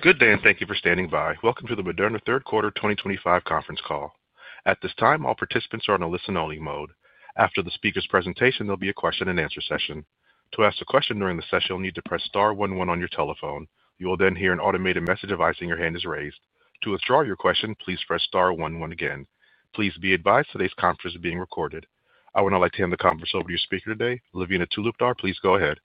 Good day, and thank you for standing by. Welcome to the Moderna Third Quarter 2025 Conference Call. At this time, all participants are on a listen-only mode. After the speaker's presentation, there'll be a question-and-answer session. To ask a question during the session, you'll need to press Star 11 on your telephone. You will then hear an automated message advising your hand is raised. To withdraw your question, please press Star 11 again. Please be advised today's conference is being recorded. I would now like to hand the conference over to your speaker today, Lavina Talukdar. Please go ahead.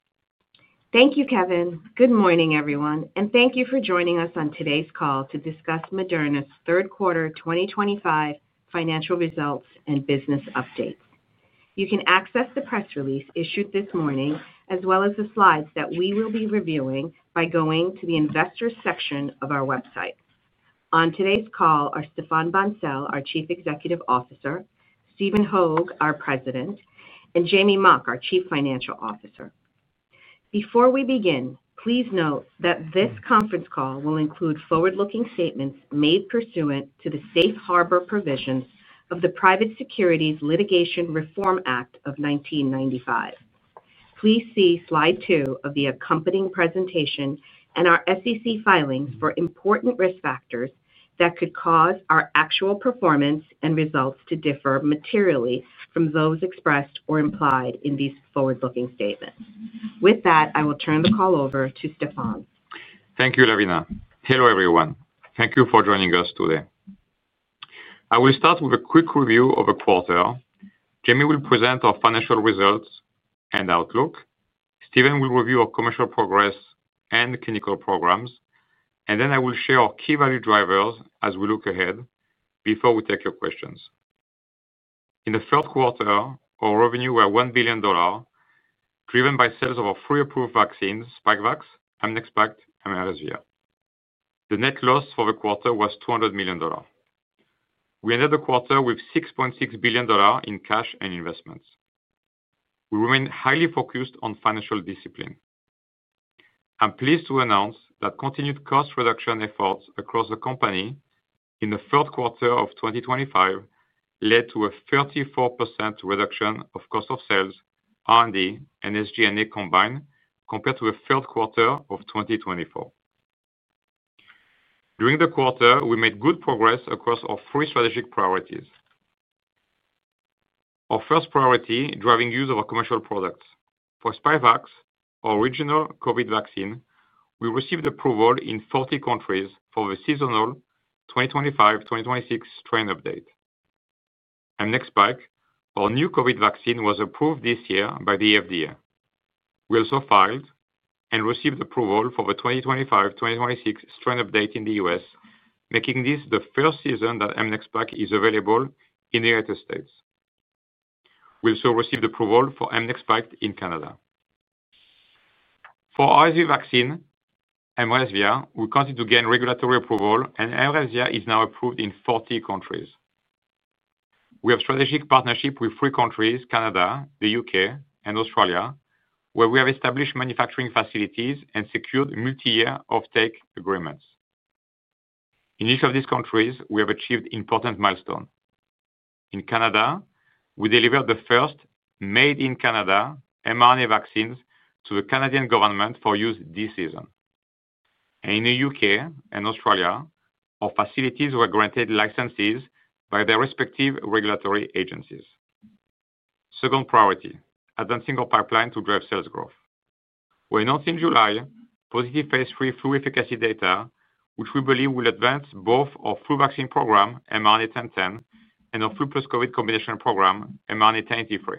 Thank you, Kevin. Good morning, everyone, and thank you for joining us on today's call to discuss Moderna's third quarter 2025 financial results and business updates. You can access the press release issued this morning, as well as the slides that we will be reviewing by going to the Investors section of our website. On today's call are Stéphane Bancel, our Chief Executive Officer; Stephen Hoge, our President; and Jamey Mock, our Chief Financial Officer. Before we begin, please note that this conference call will include forward-looking statements made pursuant to the safe harbor provisions of the Private Securities Litigation Reform Act of 1995. Please see Slide 2 of the accompanying presentation and our SEC filings for important risk factors that could cause our actual performance and results to differ materially from those expressed or implied in these forward-looking statements. With that, I will turn the call over to Stéphane. Thank you, Lavina. Hello, everyone. Thank you for joining us today. I will start with a quick review of the quarter. Jamey will present our financial results and outlook. Stephen will review our commercial progress and clinical programs. I will share our key value drivers as we look ahead before we take your questions. In the third quarter, our revenue was $1 billion. Driven by sales of our three approved vaccines: Spikevax, mNEXSPIKE, and Arazvia. The net loss for the quarter was $200 million. We ended the quarter with $6.6 billion in cash and investments. We remain highly focused on financial discipline. I'm pleased to announce that continued cost reduction efforts across the company in the third quarter of 2025 led to a 34% reduction of cost of sales, R&D, and SG&A combined compared to the third quarter of 2024. During the quarter, we made good progress across our three strategic priorities. Our first priority: driving use of our commercial products. For Spikevax, our original COVID vaccine, we received approval in 40 countries for the seasonal 2025-2026 strain update. mNEXSPIKE, our new COVID vaccine, was approved this year by the FDA. We also filed and received approval for the 2025-2026 strain update in the U.S., making this the first season that mNEXSPIKE is available in the United States. We also received approval for mNEXSPIKE in Canada. For Arazvia vaccine, Arazvia, we continue to gain regulatory approval, and Arazvia is now approved in 40 countries. We have strategic partnerships with three countries: Canada, the U.K., and Australia, where we have established manufacturing facilities and secured multi-year offtake agreements. In each of these countries, we have achieved important milestones. In Canada, we delivered the first made-in-Canada mRNA vaccines to the Canadian government for use this season. In the U.K. and Australia, our facilities were granted licenses by their respective regulatory agencies. Second priority: advancing our pipeline to drive sales growth. We announced in July positive phase 3 flu efficacy data, which we believe will advance both our flu vaccine program, mRNA 1010, and our flu plus COVID combination program, mRNA 1083.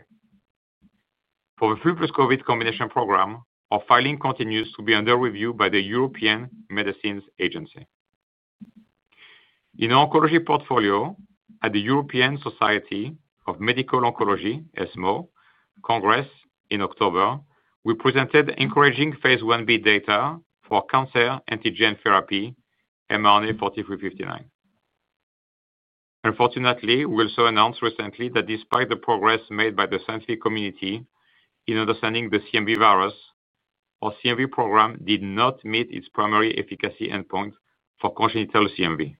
For the flu plus COVID combination program, our filing continues to be under review by the European Medicines Agency. In our oncology portfolio at the European Society of Medical Oncology, ESMO, Congress in October, we presented encouraging phase 1b data for cancer antigen therapy, mRNA 4359. Unfortunately, we also announced recently that despite the progress made by the scientific community in understanding the CMV virus, our CMV program did not meet its primary efficacy endpoint for congenital CMV.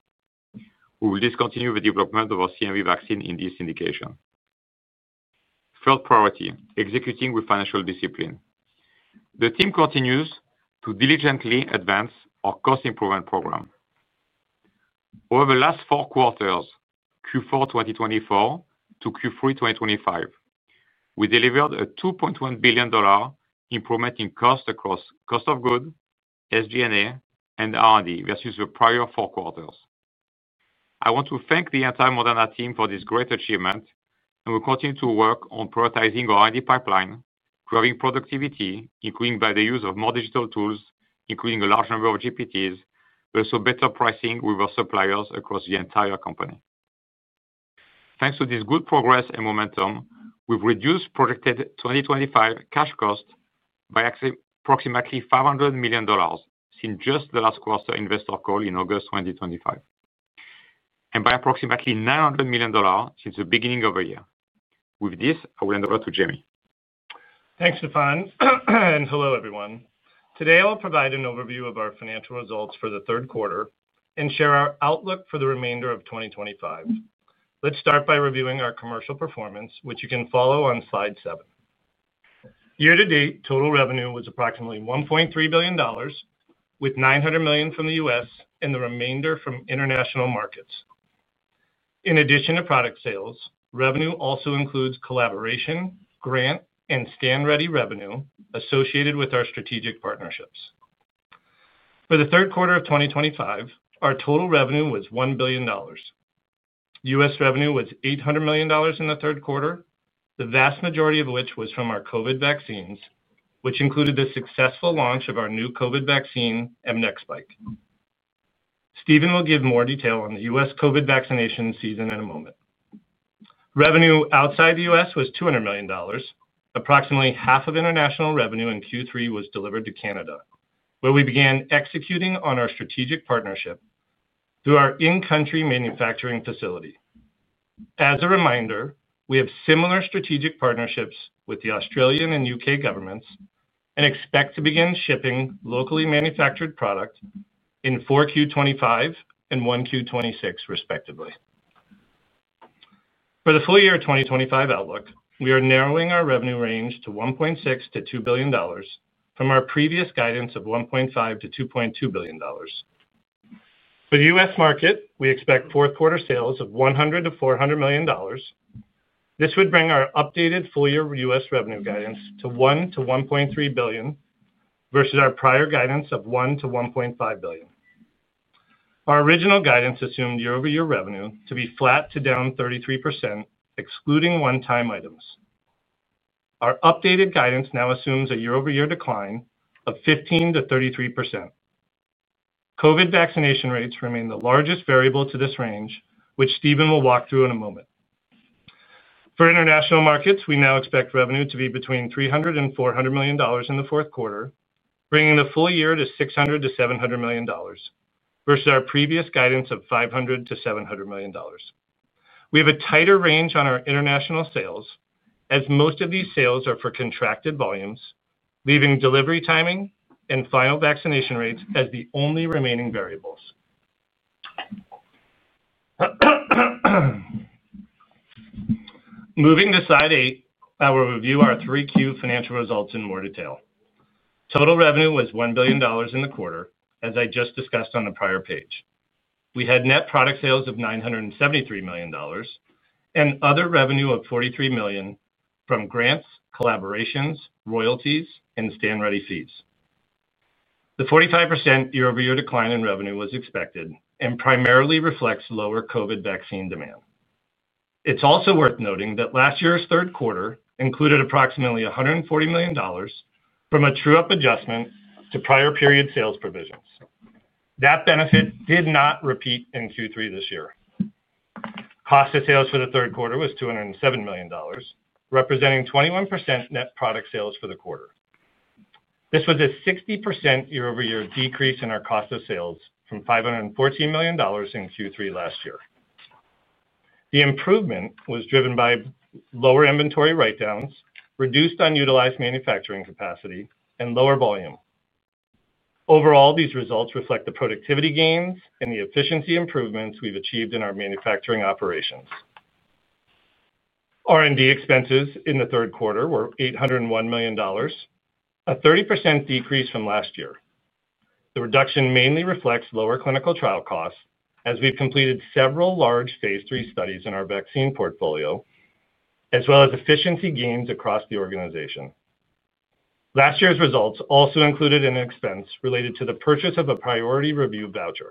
We will discontinue the development of our CMV vaccine in this indication. Third priority: executing with financial discipline. The team continues to diligently advance our cost improvement program. Over the last four quarters, Q4 2024 to Q3 2025, we delivered a $2.1 billion improvement in cost across cost of sales, SG&A, and R&D versus the prior four quarters. I want to thank the entire Moderna team for this great achievement, and we will continue to work on prioritizing our R&D pipeline, driving productivity, including by the use of more digital tools, including a large number of GPTs, but also better pricing with our suppliers across the entire company. Thanks to this good progress and momentum, we've reduced projected 2025 cash cost by approximately $500 million since just the last quarter investor call in August 2025. By approximately $900 million since the beginning of the year. With this, I will hand over to Jamey. Thanks, Stéphane. Hello, everyone. Today, I'll provide an overview of our financial results for the third quarter and share our outlook for the remainder of 2025. Let's start by reviewing our commercial performance, which you can follow on Slide 7. Year-to-date total revenue was approximately $1.3 billion, with $900 million from the U.S. and the remainder from international markets. In addition to product sales, revenue also includes collaboration, grant, and stand-ready revenue associated with our strategic partnerships. For the third quarter of 2025, our total revenue was $1 billion. U.S. revenue was $800 million in the third quarter, the vast majority of which was from our COVID vaccines, which included the successful launch of our new COVID vaccine, mNEXSPIKE. Stephen will give more detail on the U.S. COVID vaccination season in a moment. Revenue outside the U.S. was $200 million. Approximately half of international revenue in Q3 was delivered to Canada, where we began executing on our strategic partnership through our in-country manufacturing facility. As a reminder, we have similar strategic partnerships with the Australian and U.K. governments and expect to begin shipping locally manufactured product in 4Q25 and 1Q26, respectively. For the full year 2025 outlook, we are narrowing our revenue range to $1.6 billion-$2 billion from our previous guidance of $1.5 billion-$2.2 billion. For the U.S. market, we expect fourth quarter sales of $100 million-$400 million. This would bring our updated full year U.S. revenue guidance to $1 billion-$1.3 billion versus our prior guidance of $1 billion-$1.5 billion. Our original guidance assumed year-over-year revenue to be flat to down 33%, excluding one-time items. Our updated guidance now assumes a year-over-year decline of 15%-33%. COVID vaccination rates remain the largest variable to this range, which Stephen will walk through in a moment. For international markets, we now expect revenue to be between $300 million and $400 million in the fourth quarter, bringing the full year to $600 million-$700 million. Versus our previous guidance of $500 million-$700 million. We have a tighter range on our international sales as most of these sales are for contracted volumes, leaving delivery timing and final vaccination rates as the only remaining variables. Moving to Slide 8, I will review our 3Q financial results in more detail. Total revenue was $1 billion in the quarter, as I just discussed on the prior page. We had net product sales of $973 million. And other revenue of $43 million from grants, collaborations, royalties, and stand-ready fees. The 45% year-over-year decline in revenue was expected and primarily reflects lower COVID vaccine demand. It's also worth noting that last year's third quarter included approximately $140 million from a true-up adjustment to prior period sales provisions. That benefit did not repeat in Q3 this year. Cost of sales for the third quarter was $207 million, representing 21% net product sales for the quarter. This was a 60% year-over-year decrease in our cost of sales from $514 million in Q3 last year. The improvement was driven by lower inventory write-downs, reduced unutilized manufacturing capacity, and lower volume. Overall, these results reflect the productivity gains and the efficiency improvements we've achieved in our manufacturing operations. R&D expenses in the third quarter were $801 million, a 30% decrease from last year. The reduction mainly reflects lower clinical trial costs as we've completed several large phase 3 studies in our vaccine portfolio, as well as efficiency gains across the organization. Last year's results also included an expense related to the purchase of a priority review voucher.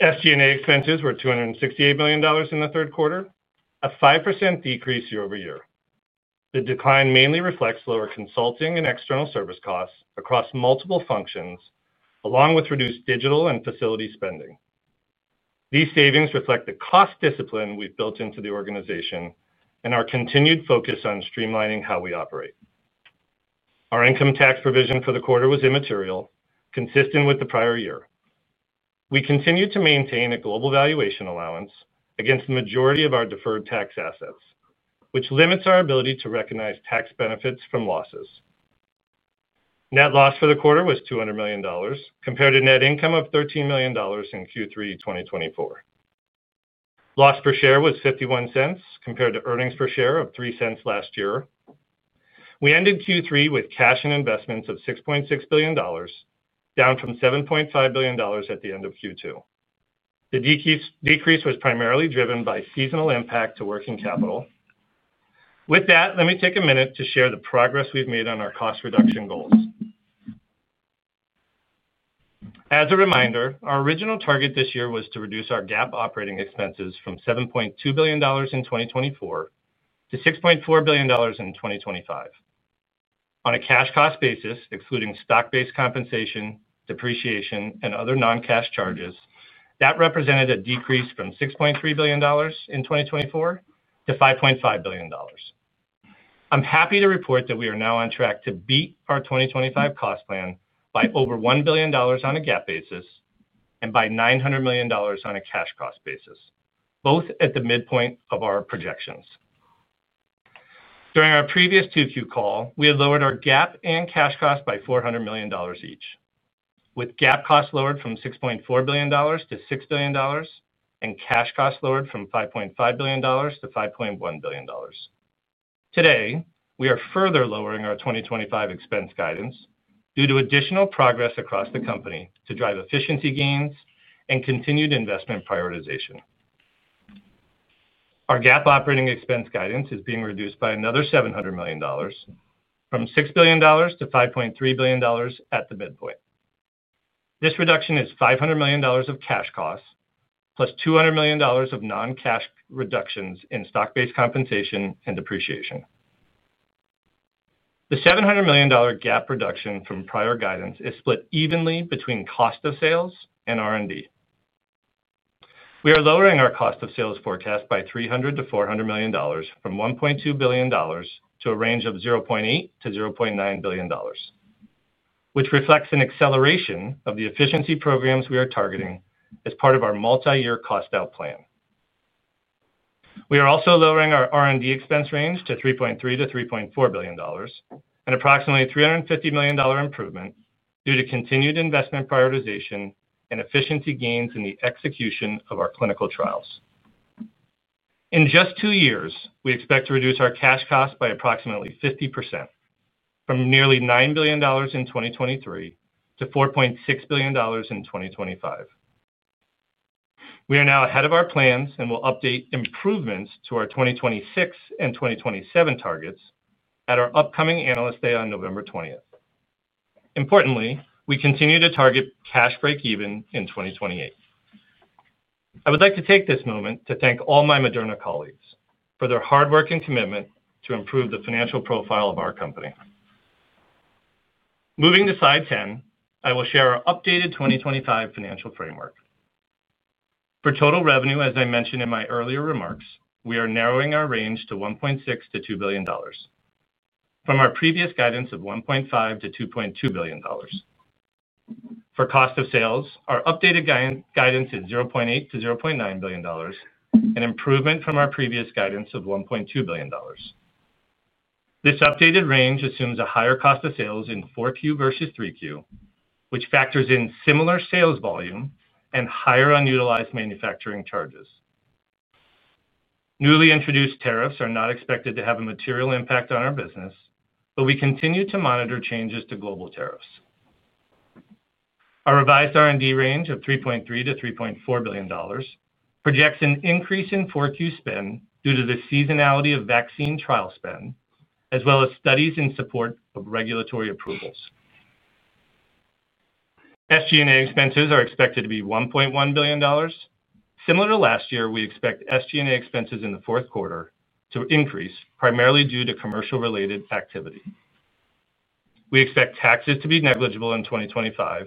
SG&A expenses were $268 million in the third quarter, a 5% decrease year-over-year. The decline mainly reflects lower consulting and external service costs across multiple functions, along with reduced digital and facility spending. These savings reflect the cost discipline we've built into the organization and our continued focus on streamlining how we operate. Our income tax provision for the quarter was immaterial, consistent with the prior year. We continue to maintain a global valuation allowance against the majority of our deferred tax assets, which limits our ability to recognize tax benefits from losses. Net loss for the quarter was $200 million, compared to net income of $13 million in Q3 2024. Loss per share was $0.51, compared to earnings per share of $0.03 last year. We ended Q3 with cash and investments of $6.6 billion, down from $7.5 billion at the end of Q2. The decrease was primarily driven by seasonal impact to working capital. With that, let me take a minute to share the progress we've made on our cost reduction goals. As a reminder, our original target this year was to reduce our GAAP operating expenses from $7.2 billion in 2024 to $6.4 billion in 2025. On a cash cost basis, excluding stock-based compensation, depreciation, and other non-cash charges, that represented a decrease from $6.3 billion in 2024 to $5.5 billion. I'm happy to report that we are now on track to beat our 2025 cost plan by over $1 billion on a GAAP basis and by $900 million on a cash cost basis, both at the midpoint of our projections. During our previous 2Q call, we had lowered our GAAP and cash cost by $400 million each, with GAAP cost lowered from $6.4 billion to $6 billion and cash cost lowered from $5.5 billion to $5.1 billion. Today, we are further lowering our 2025 expense guidance due to additional progress across the company to drive efficiency gains and continued investment prioritization. Our GAAP operating expense guidance is being reduced by another $700 million, from $6 billion to $5.3 billion at the midpoint. This reduction is $500 million of cash costs, plus $200 million of non-cash reductions in stock-based compensation and depreciation. The $700 million GAAP reduction from prior guidance is split evenly between cost of sales and R&D. We are lowering our cost of sales forecast by $300-$400 million, from $1.2 billion to a range of $0.8-$0.9 billion. Which reflects an acceleration of the efficiency programs we are targeting as part of our multi-year cost-out plan. We are also lowering our R&D expense range to $3.3 billion-$3.4 billion, an approximately $350 million improvement due to continued investment prioritization and efficiency gains in the execution of our clinical trials. In just two years, we expect to reduce our cash cost by approximately 50%. From nearly $9 billion in 2023 to $4.6 billion in 2025. We are now ahead of our plans and will update improvements to our 2026 and 2027 targets at our upcoming analyst day on November 20th. Importantly, we continue to target cash break-even in 2028. I would like to take this moment to thank all my Moderna colleagues for their hard work and commitment to improve the financial profile of our company. Moving to Slide 10, I will share our updated 2025 financial framework. For total revenue, as I mentioned in my earlier remarks, we are narrowing our range to $1.6 billion-$2 billion from our previous guidance of $1.5 billion-$2.2 billion. For cost of sales, our updated guidance is $0.8 billion-$0.9 billion, an improvement from our previous guidance of $1.2 billion. This updated range assumes a higher cost of sales in 4Q versus 3Q, which factors in similar sales volume and higher unutilized manufacturing charges. Newly introduced tariffs are not expected to have a material impact on our business, but we continue to monitor changes to global tariffs. Our revised R&D range of $3.3 billion-$3.4 billion projects an increase in 4Q spend due to the seasonality of vaccine trial spend, as well as studies in support of regulatory approvals. SG&A expenses are expected to be $1.1 billion. Similar to last year, we expect SG&A expenses in the fourth quarter to increase, primarily due to commercial-related activity. We expect taxes to be negligible in 2025.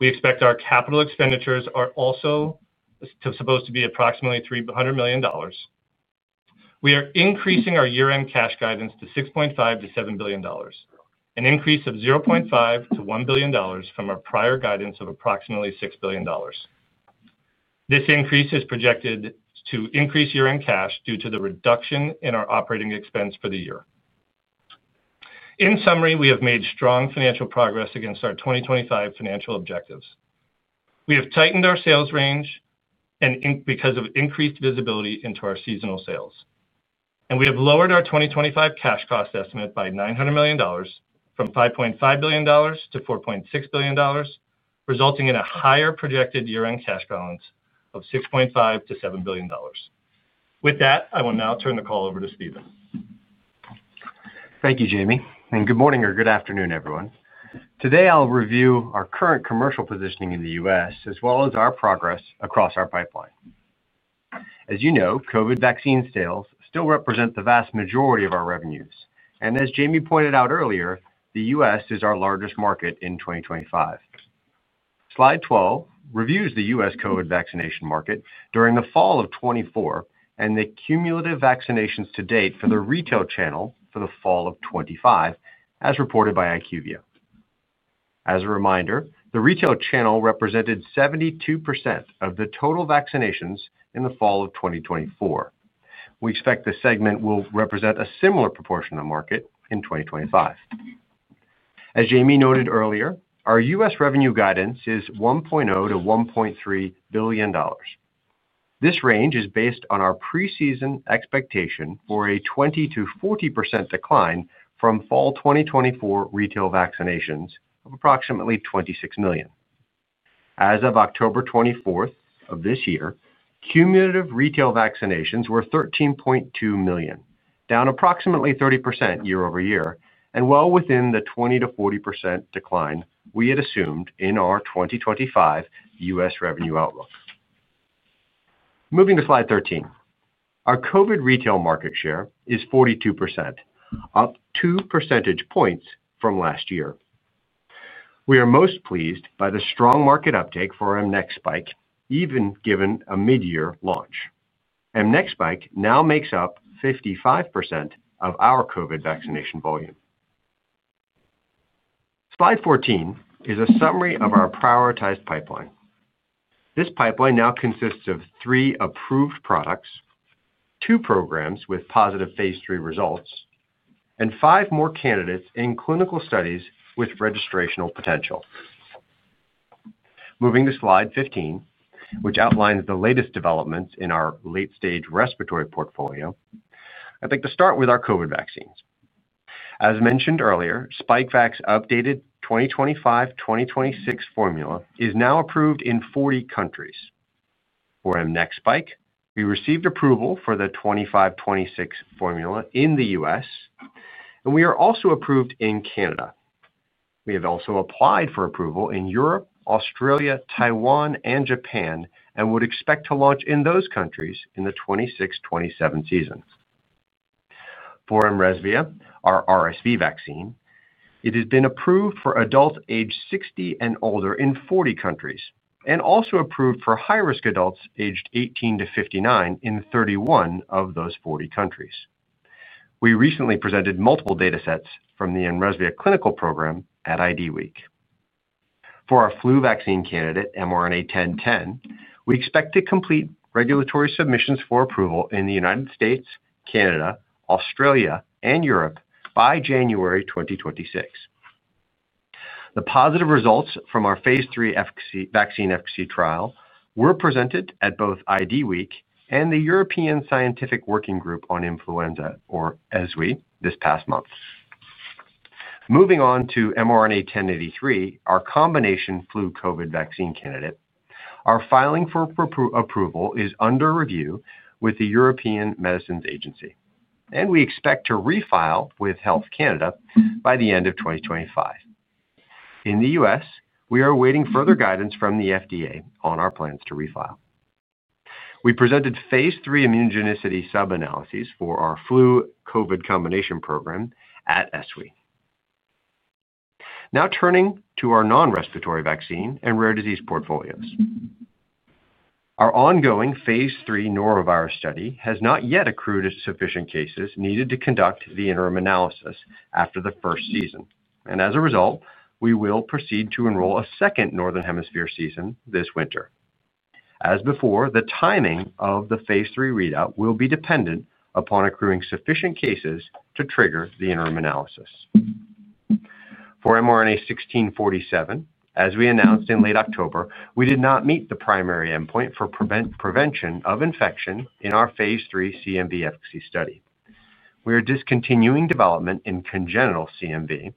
We expect our capital expenditures are also supposed to be approximately $300 million. We are increasing our year-end cash guidance to $6.5-$7 billion, an increase of $0.5-$1 billion from our prior guidance of approximately $6 billion. This increase is projected to increase year-end cash due to the reduction in our operating expense for the year. In summary, we have made strong financial progress against our 2025 financial objectives. We have tightened our sales range because of increased visibility into our seasonal sales. We have lowered our 2025 cash cost estimate by $900 million, from $5.5 billion to $4.6 billion, resulting in a higher projected year-end cash balance of $6.5-$7 billion. With that, I will now turn the call over to Stephen. Thank you, Jamey. Good morning or good afternoon, everyone. Today, I'll review our current commercial positioning in the U.S., as well as our progress across our pipeline. As you know, COVID vaccine sales still represent the vast majority of our revenues. As Jamey pointed out earlier, the U.S. is our largest market in 2025. Slide 12 reviews the U.S. COVID vaccination market during the fall of 2024 and the cumulative vaccinations to date for the retail channel for the fall of 2025, as reported by IQVIA. As a reminder, the retail channel represented 72% of the total vaccinations in the fall of 2024. We expect the segment will represent a similar proportion of the market in 2025. As Jamey noted earlier, our U.S. revenue guidance is $1.0 billion-$1.3 billion. This range is based on our preseason expectation for a 20%-40% decline from fall 2024 retail vaccinations of approximately $26 million. As of October 24th of this year, cumulative retail vaccinations were 13.2 million, down approximately 30% year-over-year, and well within the 20%-40% decline we had assumed in our 2025 US revenue outlook. Moving to Slide 13, our COVID retail market share is 42%, up 2 percentage points from last year. We are most pleased by the strong market uptake for our mNEXSPIKE, even given a mid-year launch. mNEXSPIKE now makes up 55% of our COVID vaccination volume. Slide 14 is a summary of our prioritized pipeline. This pipeline now consists of three approved products, two programs with positive phase 3 results, and five more candidates in clinical studies with registrational potential. Moving to Slide 15, which outlines the latest developments in our late-stage respiratory portfolio, I'd like to start with our COVID vaccines. As mentioned earlier, Spikevax updated 2025-2026 formula is now approved in 40 countries. For mNEXSPIKE, we received approval for the 2025-2026 formula in the US, and we are also approved in Canada. We have also applied for approval in Europe, Australia, Taiwan, and Japan, and would expect to launch in those countries in the 2026-2027 season. For Arazvia, our RSV vaccine, it has been approved for adults aged 60 and older in 40 countries and also approved for high-risk adults aged 18-59 in 31 of those 40 countries. We recently presented multiple data sets from the Arazvia clinical program at IDWeek. For our flu vaccine candidate, mRNA 1010, we expect to complete regulatory submissions for approval in the United States, Canada, Australia, and Europe by January 2026. The positive results from our phase 3 vaccine efficacy trial were presented at both IDWeek and the European Scientific Working Group on Influenza, or ESWI, this past month. Moving on to mRNA 1083, our combination flu COVID vaccine candidate, our filing for approval is under review with the European Medicines Agency, and we expect to refile with Health Canada by the end of 2025. In the U.S., we are awaiting further guidance from the FDA on our plans to refile. We presented phase 3 immunogenicity sub-analyses for our flu COVID combination program at ESWI. Now turning to our non-respiratory vaccine and rare disease portfolios. Our ongoing phase 3 norovirus study has not yet accrued sufficient cases needed to conduct the interim analysis after the first season. As a result, we will proceed to enroll a second northern hemisphere season this winter. As before, the timing of the phase 3 readout will be dependent upon accruing sufficient cases to trigger the interim analysis. For mRNA 1647, as we announced in late October, we did not meet the primary endpoint for prevention of infection in our phase 3 CMV efficacy study. We are discontinuing development in congenital CMV.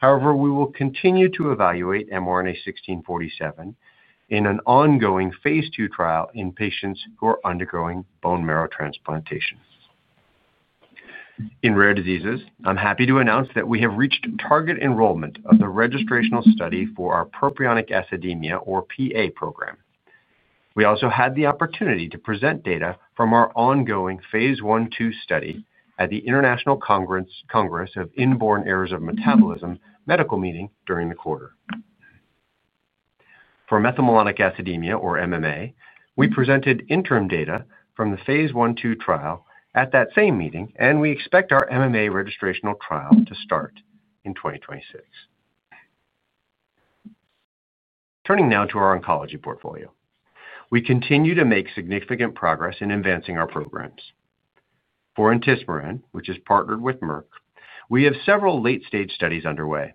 However, we will continue to evaluate mRNA 1647 in an ongoing phase 2 trial in patients who are undergoing bone marrow transplantation. In rare diseases, I'm happy to announce that we have reached target enrollment of the registrational study for our Propionic Acidemia, or PA, program. We also had the opportunity to present data from our ongoing phase 1-2 study at the International Congress of Inborn Errors of Metabolism medical meeting during the quarter. For methylmalonic acidemia, or MMA, we presented interim data from the phase 1-2 trial at that same meeting, and we expect our MMA registrational trial to start in 2026. Turning now to our oncology portfolio, we continue to make significant progress in advancing our programs. For IntiSPOTRAN, which is partnered with Merck, we have several late-stage studies underway.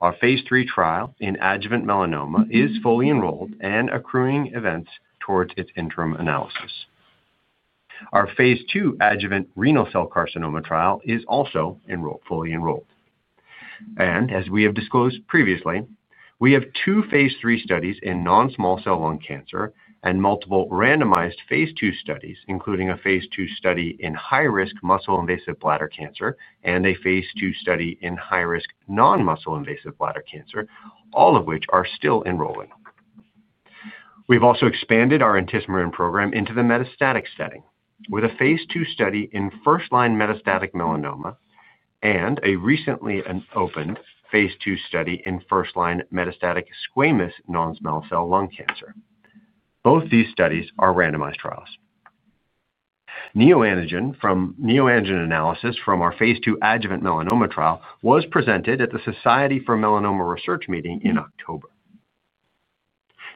Our phase 3 trial in adjuvant melanoma is fully enrolled and accruing events towards its interim analysis. Our phase 2 adjuvant renal cell carcinoma trial is also fully enrolled. As we have disclosed previously, we have two phase 3 studies in non-small cell lung cancer and multiple randomized phase 2 studies, including a phase 2 study in high-risk muscle-invasive bladder cancer and a phase 2 study in high-risk non-muscle-invasive bladder cancer, all of which are still enrolling. We have also expanded our IntiSPOTRAN program into the metastatic setting with a phase 2 study in first-line metastatic melanoma and a recently opened phase 2 study in first-line metastatic squamous non-small cell lung cancer. Both these studies are randomized trials. Neoantigen analysis from our phase 2 adjuvant melanoma trial was presented at the Society for Melanoma Research meeting in October.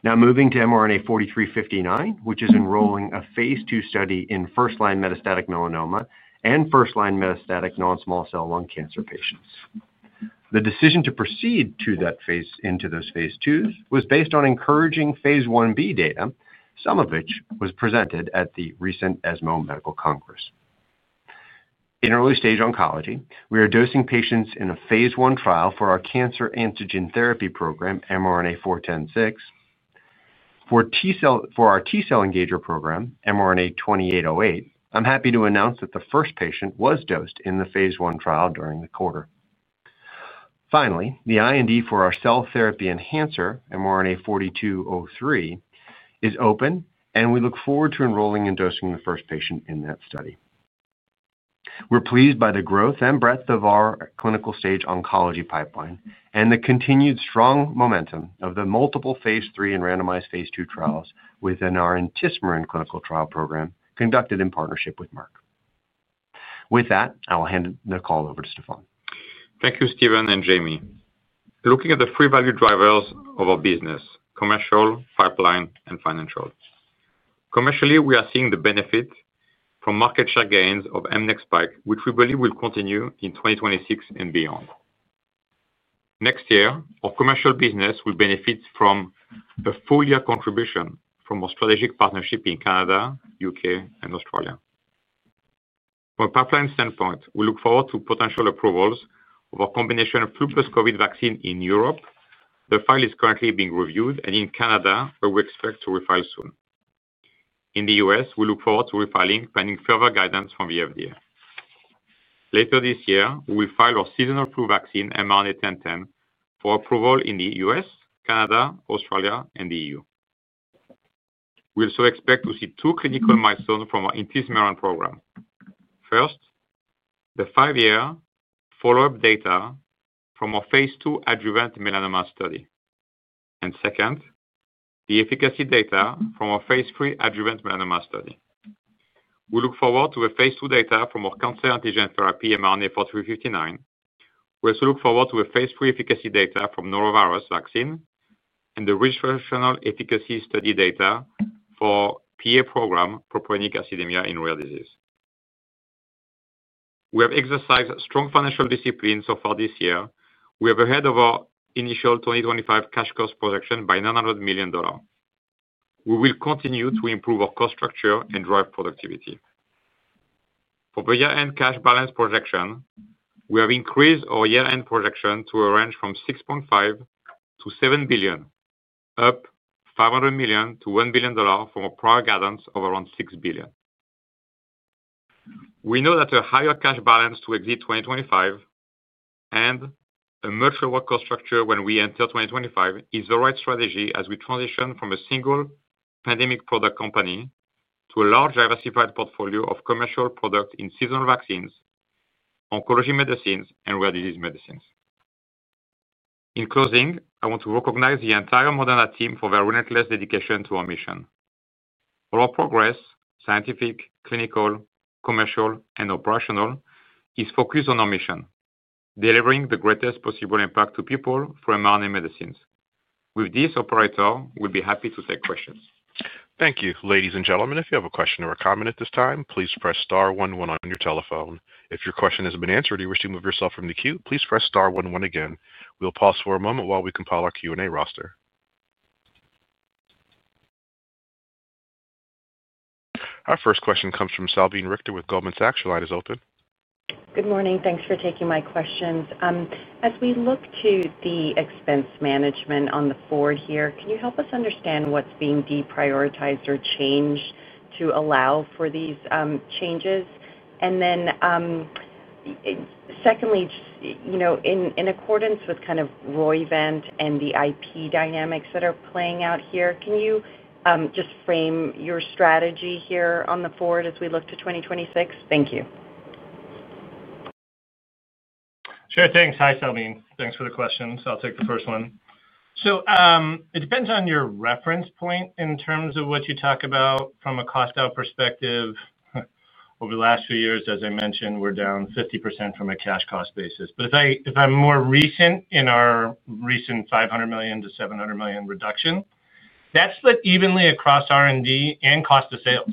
Now moving to mRNA 4359, which is enrolling a phase 2 study in first-line metastatic melanoma and first-line metastatic non-small cell lung cancer patients. The decision to proceed to that phase into those phase 2s was based on encouraging phase 1b data, some of which was presented at the recent ESMO Medical Congress. In early-stage oncology, we are dosing patients in a phase 1 trial for our cancer antigen therapy program, mRNA 4106. For our T-cell engager program, mRNA 2808, I'm happy to announce that the first patient was dosed in the phase 1 trial during the quarter. Finally, the IND for our cell therapy enhancer, mRNA 4203, is open, and we look forward to enrolling and dosing the first patient in that study. We're pleased by the growth and breadth of our clinical-stage oncology pipeline and the continued strong momentum of the multiple phase 3 and randomized phase 2 trials within our IntiSPOTRAN clinical trial program conducted in partnership with Merck. With that, I will hand the call over to Stéphane. Thank you, Stephen and Jamey. Looking at the three value drivers of our business: commercial, pipeline, and financial. Commercially, we are seeing the benefit from market share gains of mNEXSPIKE, which we believe will continue in 2026 and beyond. Next year, our commercial business will benefit from a full-year contribution from our strategic partnership in Canada, the U.K., and Australia. From a pipeline standpoint, we look forward to potential approvals of our combination flu plus COVID vaccine in Europe. The file is currently being reviewed, and in Canada, where we expect to refile soon. In the U.S., we look forward to refiling, finding further guidance from the FDA. Later this year, we will file our seasonal flu vaccine, mRNA 1010, for approval in the U.S., Canada, Australia, and the EU. We also expect to see two clinical milestones from our IntiSPOTRAN program. First. The five-year follow-up data from our phase 2 adjuvant melanoma study. Second, the efficacy data from our phase 3 adjuvant melanoma study. We look forward to the phase 2 data from our cancer antigen therapy, mRNA 4359. We also look forward to the phase 3 efficacy data from norovirus vaccine and the registrational efficacy study data for PA program, propionic acidemia in rare disease. We have exercised strong financial discipline so far this year. We are ahead of our initial 2025 cash cost projection by $900 million. We will continue to improve our cost structure and drive productivity. For the year-end cash balance projection, we have increased our year-end projection to a range from $6.5 billion-$7 billion, up $500 million-$1 billion from our prior guidance of around $6 billion. We know that a higher cash balance to exit 2025. A merch or work cost structure when we enter 2025 is the right strategy as we transition from a single pandemic product company to a large diversified portfolio of commercial products in seasonal vaccines, oncology medicines, and rare disease medicines. In closing, I want to recognize the entire Moderna team for their relentless dedication to our mission. All our progress, scientific, clinical, commercial, and operational, is focused on our mission: delivering the greatest possible impact to people through mRNA medicines. With this, operator, we'll be happy to take questions. Thank you. Ladies and gentlemen, if you have a question or a comment at this time, please press star 11 on your telephone. If your question has been answered or you wish to move yourself from the queue, please press star 11 again. We'll pause for a moment while we compile our Q&A roster. Our first question comes from Salveen Richter with Goldman Sachs. Your line is open. Good morning. Thanks for taking my questions. As we look to the expense management on the forward here, can you help us understand what's being deprioritized or changed to allow for these changes? Secondly, in accordance with kind of Roy, Vent, and the IP dynamics that are playing out here, can you just frame your strategy here on the forward as we look to 2026? Thank you. Sure. Thanks. Hi, Lavina. Thanks for the questions. I'll take the first one. It depends on your reference point in terms of what you talk about from a cost-out perspective. Over the last few years, as I mentioned, we're down 50% from a cash cost basis. If I'm more recent in our recent $500 million-$700 million reduction, that's split evenly across R&D and cost of sales.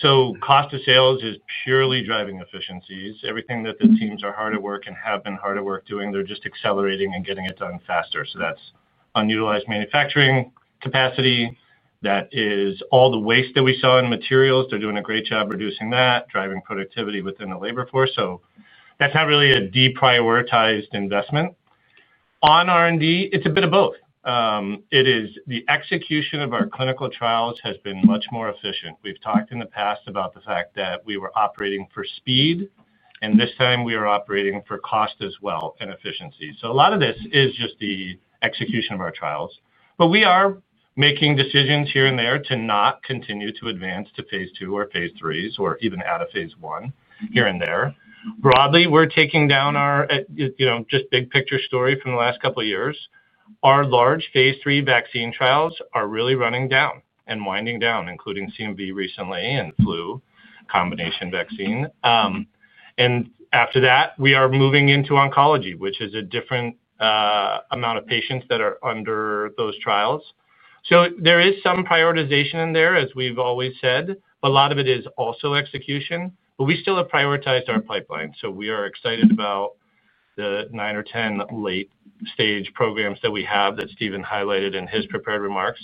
Cost of sales is purely driving efficiencies. Everything that the teams are hard at work and have been hard at work doing, they're just accelerating and getting it done faster. That's unutilized manufacturing capacity. That is all the waste that we saw in materials. They're doing a great job reducing that, driving productivity within the labor force. That's not really a deprioritized investment. On R&D, it's a bit of both. It is the execution of our clinical trials has been much more efficient. We've talked in the past about the fact that we were operating for speed, and this time we are operating for cost as well and efficiency. A lot of this is just the execution of our trials. We are making decisions here and there to not continue to advance to phase 2 or phase 3s or even out of phase 1 here and there. Broadly, we're taking down our just big picture story from the last couple of years. Our large phase 3 vaccine trials are really running down and winding down, including CMV recently and flu combination vaccine. After that, we are moving into oncology, which is a different amount of patients that are under those trials. There is some prioritization in there, as we've always said. A lot of it is also execution, but we still have prioritized our pipeline. We are excited about the nine or ten late-stage programs that we have that Stephen highlighted in his prepared remarks.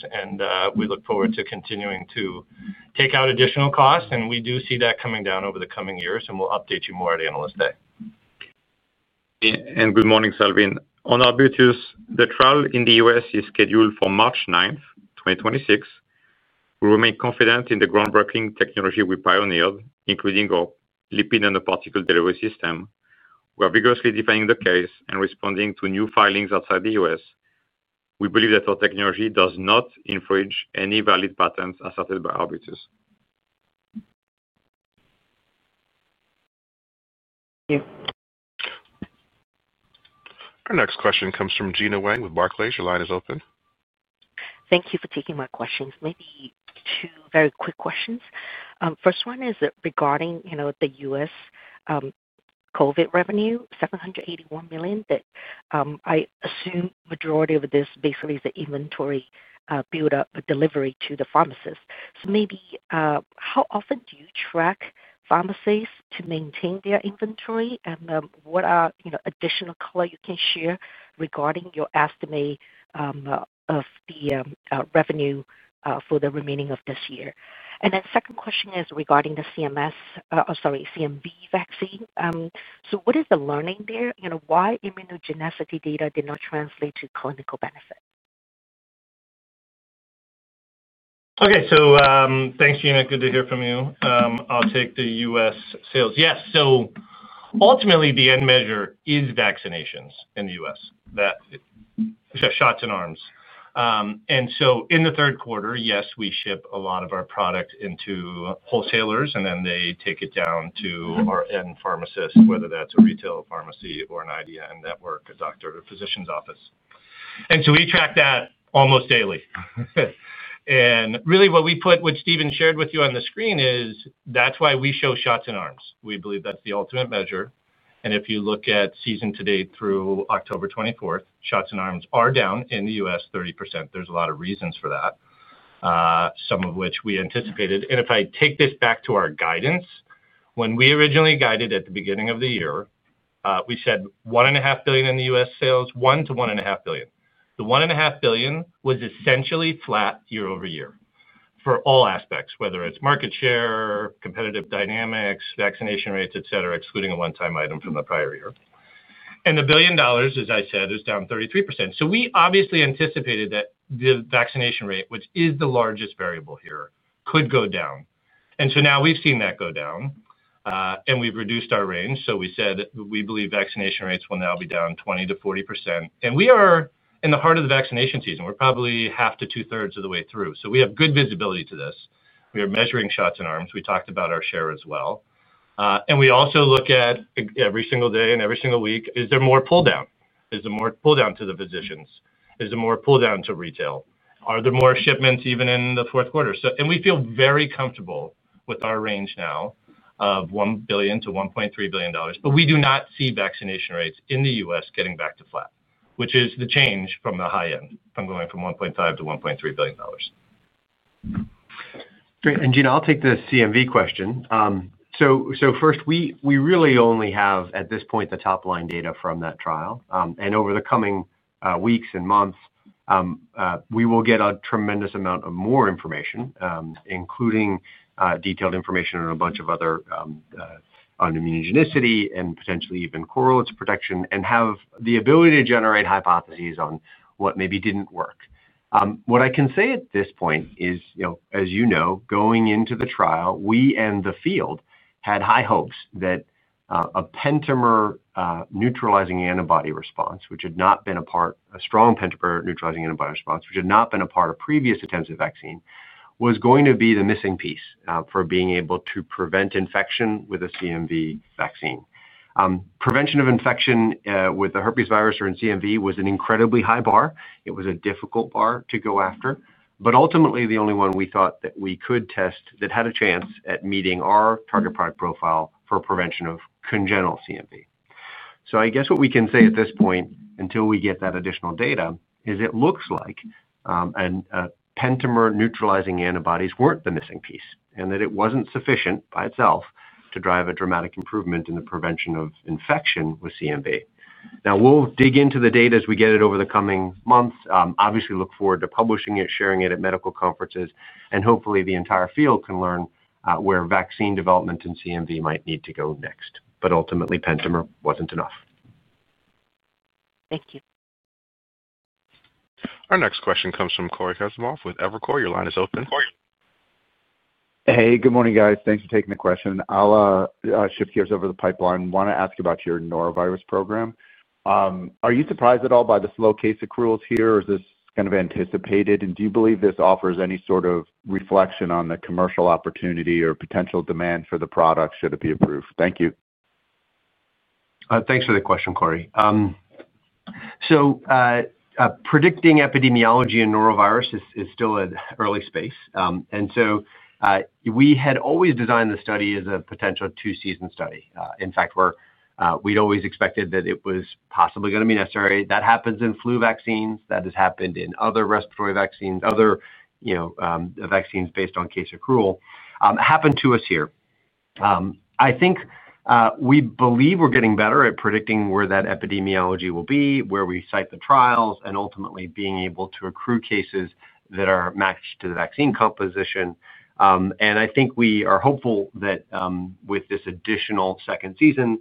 We look forward to continuing to take out additional costs. We do see that coming down over the coming years. We will update you more at analyst day. Good morning, Salveen. On our virtues, the trial in the U.S. is scheduled for March 9, 2026. We remain confident in the groundbreaking technology we pioneered, including our lipid nanoparticle delivery system. We are vigorously defending the case and responding to new filings outside the U.S. We believe that our technology does not infringe any valid patents asserted by arbiters. Thank you. Our next question comes from Gina Wang with Barclays. Your line is open. Thank you for taking my questions. Maybe two very quick questions. First one is regarding the U.S. COVID revenue, $781 million, that I assume the majority of this basically is the inventory build-up delivery to the pharmacists. Maybe how often do you track pharmacies to maintain their inventory? What additional color can you share regarding your estimate of the revenue for the remaining of this year? The second question is regarding the CMV vaccine. What is the learning there? Why did immunogenicity data not translate to clinical benefit? Okay. Thanks, Gina. Good to hear from you. I'll take the US sales. Yes. Ultimately, the end measure is vaccinations in the US. Shots in arms. In the third quarter, yes, we ship a lot of our product into wholesalers, and then they take it down to our end pharmacists, whether that's a retail pharmacy or an IDN network or doctor or physician's office. We track that almost daily. Really, what we put, what Stephen shared with you on the screen, that's why we show shots in arms. We believe that's the ultimate measure. If you look at season to date through October 24, shots in arms are down in the US 30%. There's a lot of reasons for that. Some of which we anticipated. If I take this back to our guidance, when we originally guided at the beginning of the year, we said $1.5 billion in U.S. sales, $1 billion-$1.5 billion. The $1.5 billion was essentially flat year-over-year for all aspects, whether it's market share, competitive dynamics, vaccination rates, etc., excluding a one-time item from the prior year. The $1 billion, as I said, is down 33%. We obviously anticipated that the vaccination rate, which is the largest variable here, could go down. Now we've seen that go down. We've reduced our range. We said we believe vaccination rates will now be down 20%-40%. We are in the heart of the vaccination season. We're probably half to two-thirds of the way through. We have good visibility to this. We are measuring shots in arms. We talked about our share as well. We also look at every single day and every single week, is there more pull-down? Is there more pull-down to the physicians? Is there more pull-down to retail? Are there more shipments even in the fourth quarter? We feel very comfortable with our range now of $1 billion-$1.3 billion. We do not see vaccination rates in the U.S. getting back to flat, which is the change from the high end, from going from $1.5 billion to $1.3 billion. Great. Gina, I'll take the CMV question. First, we really only have at this point the top-line data from that trial. Over the coming weeks and months, we will get a tremendous amount of more information, including detailed information on a bunch of other, on immunogenicity and potentially even correlates of protection, and have the ability to generate hypotheses on what maybe didn't work. What I can say at this point is, as you know, going into the trial, we and the field had high hopes that a pentamer neutralizing antibody response, which had not been a part—a strong pentamer neutralizing antibody response, which had not been a part of previous attempts at vaccine—was going to be the missing piece for being able to prevent infection with a CMV vaccine. Prevention of infection with the herpes virus or in CMV was an incredibly high bar. It was a difficult bar to go after. Ultimately, the only one we thought that we could test that had a chance at meeting our target product profile for prevention of congenital CMV. I guess what we can say at this point, until we get that additional data, is it looks like pentamer neutralizing antibodies were not the missing piece and that it was not sufficient by itself to drive a dramatic improvement in the prevention of infection with CMV. We will dig into the data as we get it over the coming months. Obviously, look forward to publishing it, sharing it at medical conferences, and hopefully, the entire field can learn where vaccine development and CMV might need to go next. Ultimately, pentamer was not enough. Thank you. Our next question comes from Cory Kasimov with Evercore. Your line is open. Hey, good morning, guys. Thanks for taking the question. I'll shift gears over the pipeline. Want to ask about your norovirus program. Are you surprised at all by the slow case accruals here, or is this kind of anticipated? Do you believe this offers any sort of reflection on the commercial opportunity or potential demand for the product should it be approved? Thank you. Thanks for the question, Corey. Predicting epidemiology in norovirus is still an early space. We had always designed the study as a potential two-season study. In fact, we'd always expected that it was possibly going to be necessary. That happens in flu vaccines. That has happened in other respiratory vaccines, other vaccines based on case accrual. It happened to us here. I think we believe we're getting better at predicting where that epidemiology will be, where we cite the trials, and ultimately being able to accrue cases that are matched to the vaccine composition. I think we are hopeful that with this additional second season,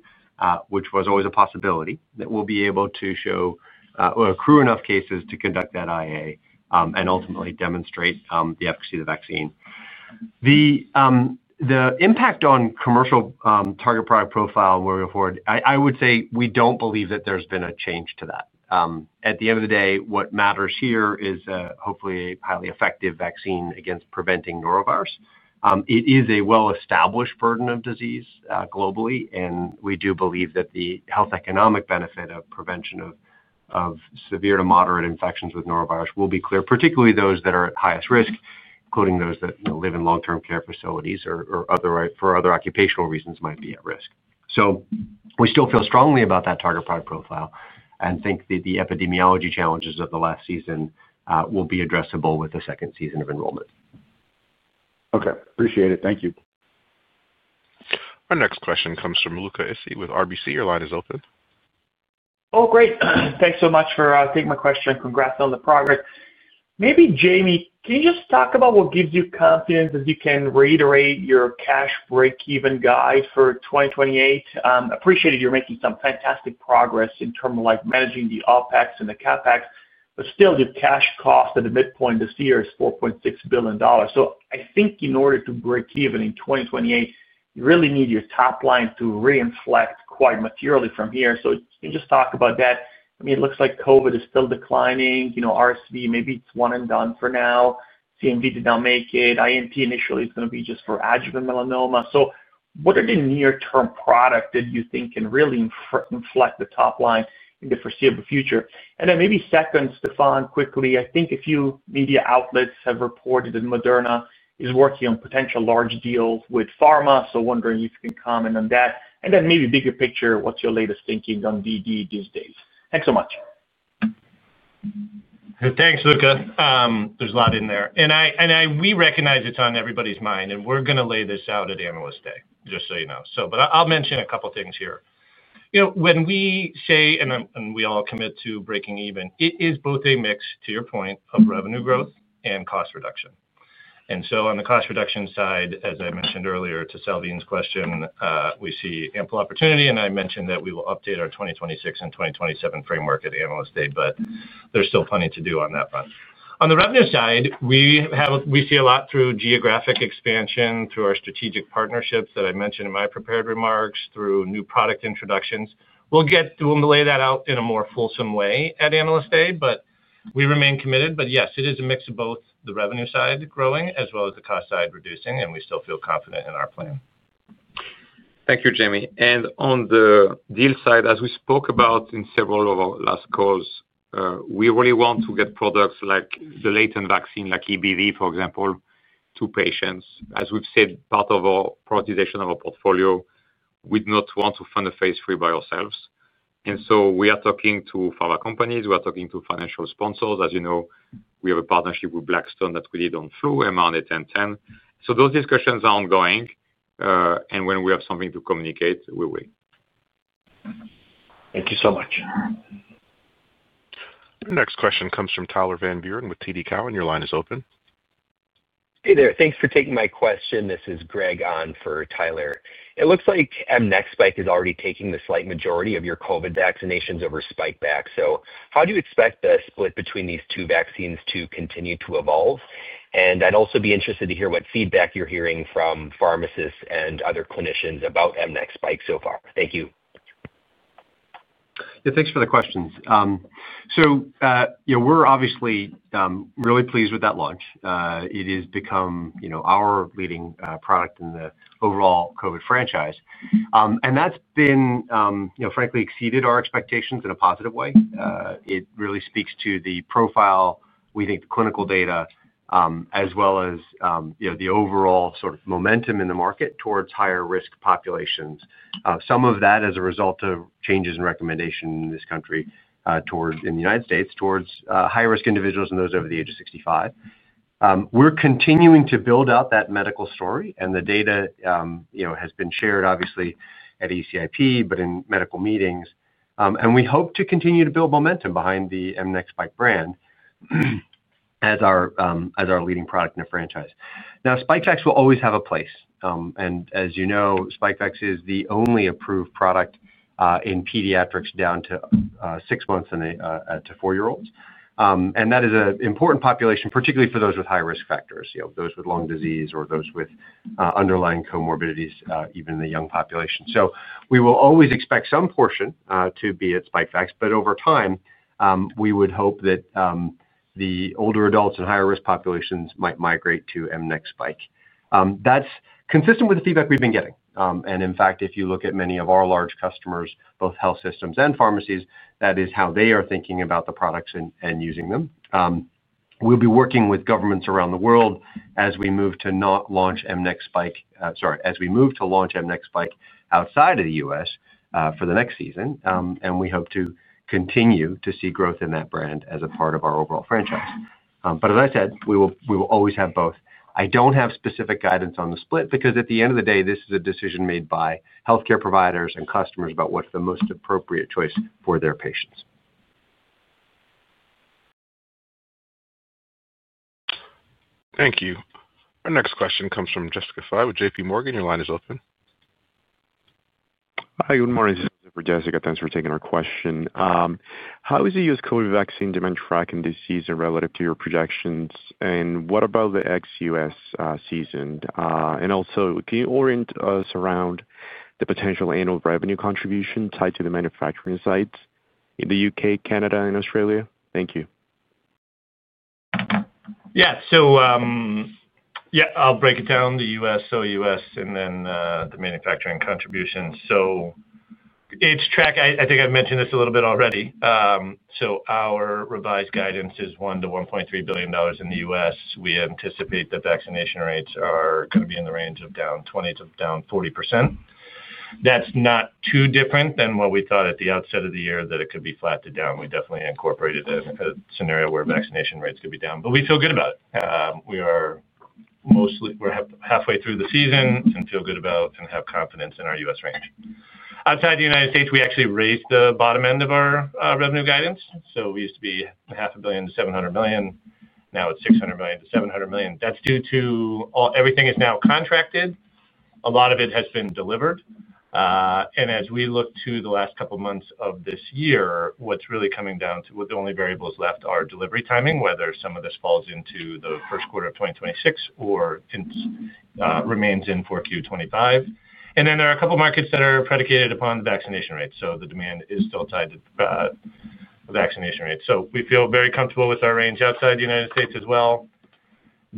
which was always a possibility, that we'll be able to accrue enough cases to conduct that IA and ultimately demonstrate the efficacy of the vaccine. Impact on commercial target product profile where we afford, I would say we don't believe that there's been a change to that. At the end of the day, what matters here is hopefully a highly effective vaccine against preventing norovirus. It is a well-established burden of disease globally. We do believe that the health economic benefit of prevention of severe to moderate infections with norovirus will be clear, particularly those that are at highest risk, including those that live in long-term care facilities or for other occupational reasons might be at risk. We still feel strongly about that target product profile and think that the epidemiology challenges of the last season will be addressable with the second season of enrollment. Okay. Appreciate it. Thank you. Our next question comes from Luca Issi with RBC. Your line is open. Oh, great. Thanks so much for taking my question. Congrats on the progress. Maybe, Jamey, can you just talk about what gives you confidence that you can reiterate your cash break-even guide for 2028? Appreciated you're making some fantastic progress in terms of managing the OpEx and the CapEx, but still, your cash cost at the midpoint this year is $4.6 billion. I think in order to break even in 2028, you really need your top line to reinflect quite materially from here. Can you just talk about that? I mean, it looks like COVID is still declining. RSV, maybe it's one and done for now. CMV did not make it. INT initially is going to be just for adjuvant melanoma. What are the near-term products that you think can really inflect the top line in the foreseeable future? Maybe second, Stefan, quickly, I think a few media outlets have reported that Moderna is working on potential large deals with pharma. I am wondering if you can comment on that. Maybe bigger picture, what is your latest thinking on DD these days? Thanks so much. Thanks, Luca. There's a lot in there. We recognize it's on everybody's mind. We're going to lay this out at analyst day, just so you know. I'll mention a couple of things here. When we say, and we all commit to breaking even, it is both a mix, to your point, of revenue growth and cost reduction. On the cost reduction side, as I mentioned earlier, to Salveen's question, we see ample opportunity. I mentioned that we will update our 2026 and 2027 framework at analyst day, but there's still plenty to do on that front. On the revenue side, we see a lot through geographic expansion, through our strategic partnerships that I mentioned in my prepared remarks, through new product introductions. We'll lay that out in a more fulsome way at analyst day, but we remain committed. Yes, it is a mix of both the revenue side growing as well as the cost side reducing. We still feel confident in our plan. Thank you, Jamey. On the deal side, as we spoke about in several of our last calls, we really want to get products like the latent vaccine, like EBV, for example, to patients. As we've said, part of our prioritization of our portfolio, we'd not want to fund a phase three by ourselves. We are talking to pharma companies. We are talking to financial sponsors. As you know, we have a partnership with Blackstone that we did on flu, mRNA 1010. Those discussions are ongoing. When we have something to communicate, we will. Thank you so much. Our next question comes from Tyler Van Buren with TD Cowen. Your line is open. Hey there. Thanks for taking my question. This is Greg On for Tyler. It looks like mNEXSPIKE is already taking the slight majority of your COVID vaccinations over Spikevax. How do you expect the split between these two vaccines to continue to evolve? I'd also be interested to hear what feedback you're hearing from pharmacists and other clinicians about mNEXSPIKE so far. Thank you. Yeah. Thanks for the questions. We're obviously really pleased with that launch. It has become our leading product in the overall COVID franchise. That's been, frankly, exceeded our expectations in a positive way. It really speaks to the profile, we think, the clinical data, as well as the overall sort of momentum in the market towards higher-risk populations. Some of that is a result of changes in recommendation in this country, in the United States, towards higher-risk individuals and those over the age of 65. We're continuing to build out that medical story. The data has been shared, obviously, at ACIP, but in medical meetings. We hope to continue to build momentum behind the mNEXSPIKE brand as our leading product in the franchise. Now, Spikevax will always have a place. As you know, Spikevax is the only approved product in pediatrics down to six months and to four-year-olds. That is an important population, particularly for those with high-risk factors, those with lung disease or those with underlying comorbidities, even in the young population. We will always expect some portion to be at Spikevax. Over time, we would hope that the older adults and higher-risk populations might migrate to mNEXSPIKE. That's consistent with the feedback we've been getting. In fact, if you look at many of our large customers, both health systems and pharmacies, that is how they are thinking about the products and using them. We will be working with governments around the world as we move to launch mNEXSPIKE outside of the U.S. for the next season. We hope to continue to see growth in that brand as a part of our overall franchise. As I said, we will always have both. I do not have specific guidance on the split because at the end of the day, this is a decision made by healthcare providers and customers about what is the most appropriate choice for their patients. Thank you. Our next question comes from Jessica Fye with JPMorgan. Your line is open. Hi. Good morning, Jessica. Thanks for taking our question. How is the U.S. COVID vaccine to manufacturing disease relative to your projections? What about the ex-U.S. season? Also, can you orient us around the potential annual revenue contribution tied to the manufacturing sites in the U.K., Canada, and Australia? Thank you. Yeah. So. Yeah, I'll break it down. The U.S., so U.S., and then the manufacturing contribution. So. It's track I think I've mentioned this a little bit already. So our revised guidance is $1 billion-$1.3 billion in the U.S. We anticipate that vaccination rates are going to be in the range of down 20%-down 40%. That's not too different than what we thought at the outset of the year that it could be flat to down. We definitely incorporated a scenario where vaccination rates could be down. But we feel good about it. We are. Halfway through the season and feel good about and have confidence in our U.S. range. Outside the United States, we actually raised the bottom end of our revenue guidance. So we used to be $500 million-$700 million. Now it's $600 million-$700 million. That's due to everything is now contracted. A lot of it has been delivered. As we look to the last couple of months of this year, what's really coming down to what the only variables left are delivery timing, whether some of this falls into the first quarter of 2026 or remains in Q4 2025. There are a couple of markets that are predicated upon vaccination rates. The demand is still tied to vaccination rates. We feel very comfortable with our range outside the U.S. as well.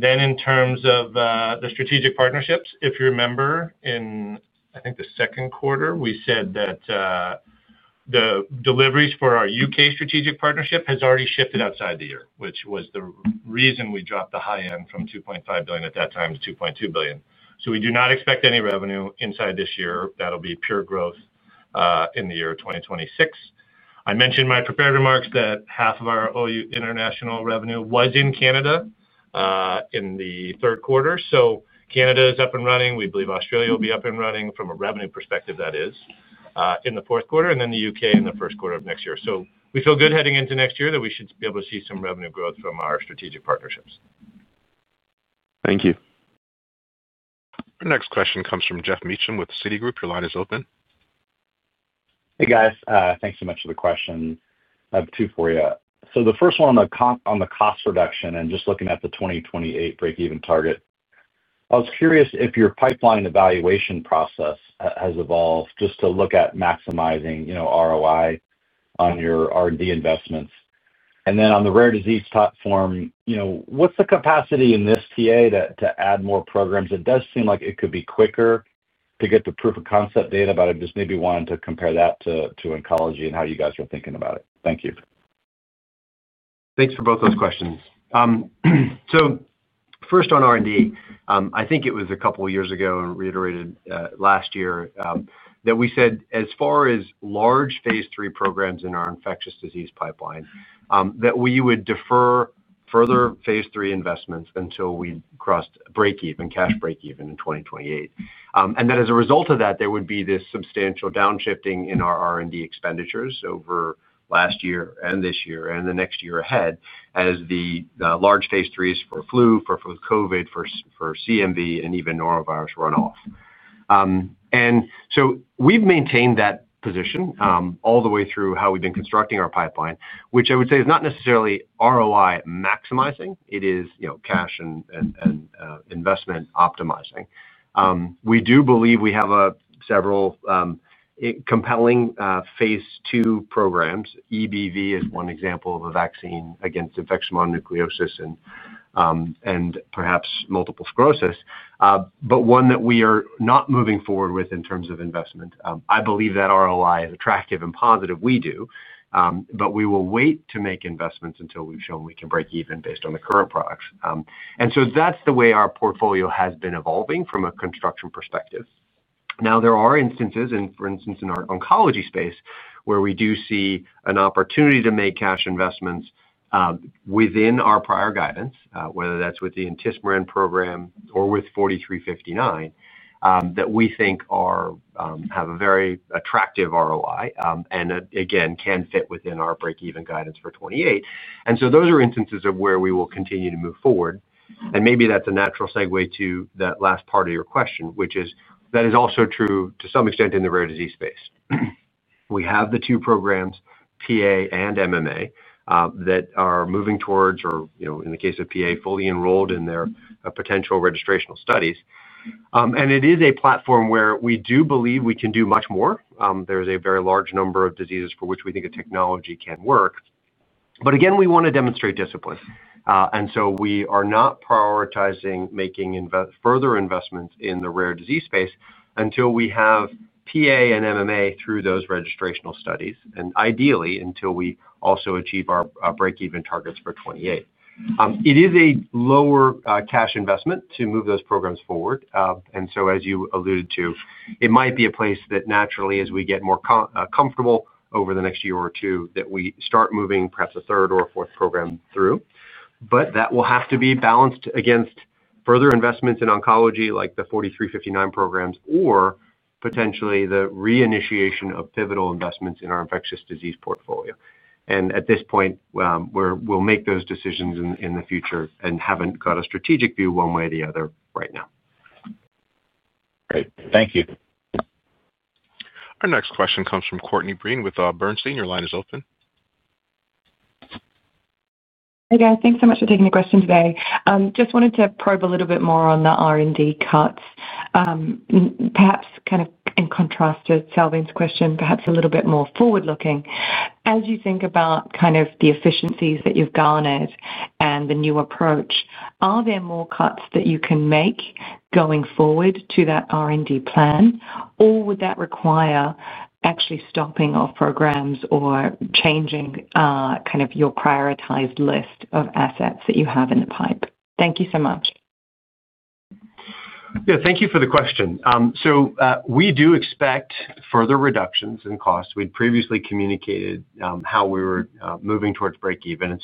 In terms of the strategic partnerships, if you remember, in I think the second quarter, we said that the deliveries for our U.K. strategic partnership has already shifted outside the year, which was the reason we dropped the high end from $2.5 billion at that time to $2.2 billion. We do not expect any revenue inside this year. That'll be pure growth. In the year 2026, I mentioned in my prepared remarks that half of our international revenue was in Canada in the third quarter. Canada is up and running. We believe Australia will be up and running from a revenue perspective, that is, in the fourth quarter, and then the U.K. in the first quarter of next year. We feel good heading into next year that we should be able to see some revenue growth from our strategic partnerships. Thank you. Our next question comes from Geoff Meacham with Citigroup. Your line is open. Hey, guys. Thanks so much for the question. I have two for you. The first one on the cost reduction and just looking at the 2028 break-even target, I was curious if your pipeline evaluation process has evolved just to look at maximizing ROI on your R&D investments. Then on the rare disease platform, what's the capacity in this TA to add more programs? It does seem like it could be quicker to get the proof of concept data, but I just maybe wanted to compare that to oncology and how you guys are thinking about it. Thank you. Thanks for both those questions. First on R&D, I think it was a couple of years ago and reiterated last year that we said as far as large phase three programs in our infectious disease pipeline, that we would defer further phase three investments until we crossed break-even cash break-even in 2028. As a result of that, there would be this substantial downshifting in our R&D expenditures over last year and this year and the next year ahead as the large phase threes for flu, for COVID, for CMV, and even norovirus runoff. We have maintained that position all the way through how we have been constructing our pipeline, which I would say is not necessarily ROI maximizing. It is cash and investment optimizing. We do believe we have several compelling phase two programs. EBV is one example of a vaccine against infection mononucleosis and. Perhaps multiple sclerosis, but one that we are not moving forward with in terms of investment. I believe that ROI is attractive and positive. We do. We will wait to make investments until we've shown we can break even based on the current products. That is the way our portfolio has been evolving from a construction perspective. There are instances, for instance, in our oncology space, where we do see an opportunity to make cash investments. Within our prior guidance, whether that's with the IntiSPOTRAN program or with 4359, that we think have a very attractive ROI and, again, can fit within our break-even guidance for 2028. Those are instances of where we will continue to move forward. Maybe that's a natural segue to that last part of your question, which is that is also true to some extent in the rare disease space. We have the two programs, PA and MMA, that are moving towards, or in the case of PA, fully enrolled in their potential registrational studies. It is a platform where we do believe we can do much more. There is a very large number of diseases for which we think a technology can work. We want to demonstrate discipline. We are not prioritizing making further investments in the rare disease space until we have PA and MMA through those registrational studies, and ideally until we also achieve our break-even targets for 2028. It is a lower cash investment to move those programs forward. As you alluded to, it might be a place that naturally, as we get more comfortable over the next year or two, we start moving perhaps a third or a fourth program through. That will have to be balanced against further investments in oncology like the 4359 programs or potentially the reinitiation of pivotal investments in our infectious disease portfolio. At this point, we'll make those decisions in the future and have not got a strategic view one way or the other right now. Great. Thank you. Our next question comes from Courtney Breen with Bernstein. Your line is open. Hey, guys. Thanks so much for taking the question today. Just wanted to probe a little bit more on the R&D cuts. Perhaps kind of in contrast to Salveen's question, perhaps a little bit more forward-looking. As you think about kind of the efficiencies that you've garnered and the new approach, are there more cuts that you can make going forward to that R&D plan, or would that require actually stopping off programs or changing kind of your prioritized list of assets that you have in the pipe? Thank you so much. Yeah. Thank you for the question. We do expect further reductions in cost. We'd previously communicated how we were moving towards break-even.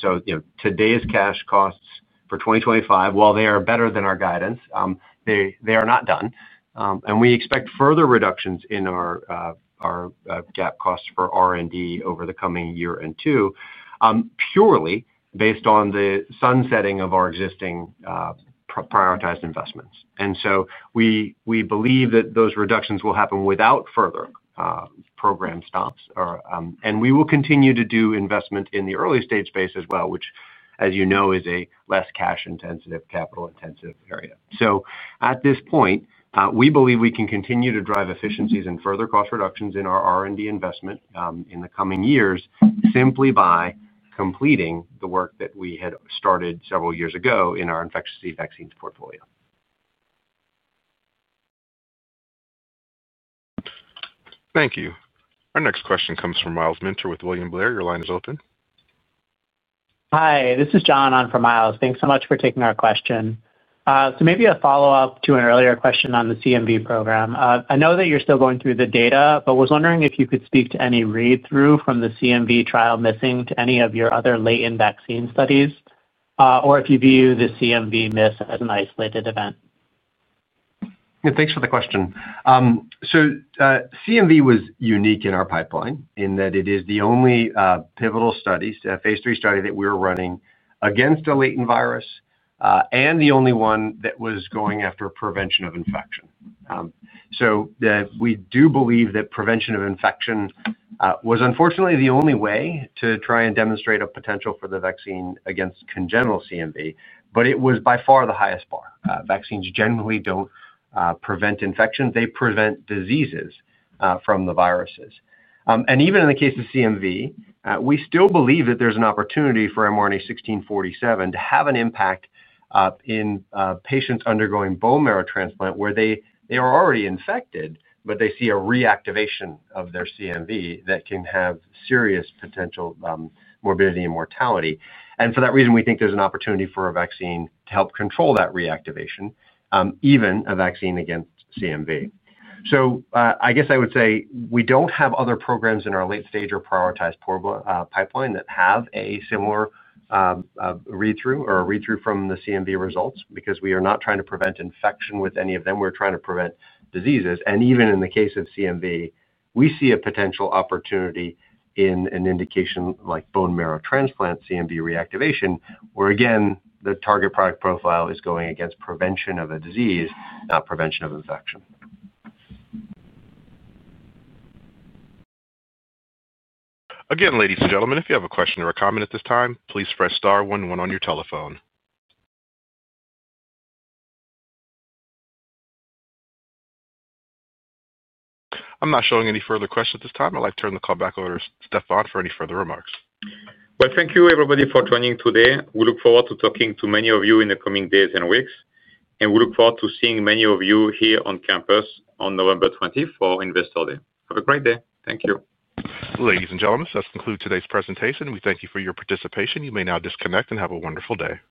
Today's cash costs for 2025, while they are better than our guidance, are not done. We expect further reductions in our gap costs for R&D over the coming year and two, purely based on the sunsetting of our existing prioritized investments. We believe that those reductions will happen without further program stops, and we will continue to do investment in the early stage space as well, which, as you know, is a less cash-intensive, capital-intensive area. At this point, we believe we can continue to drive efficiencies and further cost reductions in our R&D investment in the coming years simply by completing the work that we had started several years ago in our infectious disease vaccines portfolio. Thank you. Our next question comes from Myles Minter with William Blair. Your line is open. Hi. This is John. I'm from Miles. Thanks so much for taking our question. Maybe a follow-up to an earlier question on the CMV program. I know that you're still going through the data, but was wondering if you could speak to any read-through from the CMV trial miss to any of your other latent vaccine studies or if you view the CMV miss as an isolated event. Yeah. Thanks for the question. CMV was unique in our pipeline in that it is the only pivotal phase three study that we were running against a latent virus and the only one that was going after prevention of infection. We do believe that prevention of infection was unfortunately the only way to try and demonstrate a potential for the vaccine against congenital CMV, but it was by far the highest bar. Vaccines generally do not prevent infection. They prevent diseases from the viruses. Even in the case of CMV, we still believe that there is an opportunity for mRNA 1647 to have an impact. In patients undergoing bone marrow transplant where they are already infected, but they see a reactivation of their CMV that can have serious potential morbidity and mortality. For that reason, we think there is an opportunity for a vaccine to help control that reactivation, even a vaccine against CMV. I guess I would say we do not have other programs in our late stage or prioritized pipeline that have a similar read-through or a read-through from the CMV results because we are not trying to prevent infection with any of them. We are trying to prevent diseases. Even in the case of CMV, we see a potential opportunity in an indication like bone marrow transplant CMV reactivation where, again, the target product profile is going against prevention of a disease, not prevention of infection. Again, ladies and gentlemen, if you have a question or a comment at this time, please press star one-one on your telephone. I'm not showing any further questions at this time. I'd like to turn the call back over to Stéphane for any further remarks. Thank you, everybody, for joining today. We look forward to talking to many of you in the coming days and weeks. We look forward to seeing many of you here on campus on November 20th for Investor Day. Have a great day. Thank you. Ladies and gentlemen, this does conclude today's presentation. We thank you for your participation. You may now disconnect and have a wonderful day.